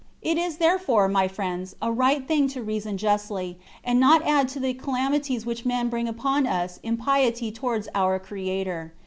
It is therefore, my friends, a right thing to reason justly, and not add to the calamities which men bring upon us impiety towards our Creator.